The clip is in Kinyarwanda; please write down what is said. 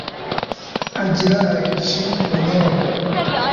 Agira Allergic ku bunyobwa